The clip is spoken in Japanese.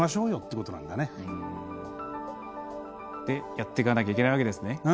やっていかなきゃいけないわけですね。